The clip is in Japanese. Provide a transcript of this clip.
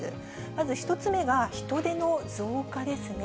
まず１つ目が、人出の増加ですね。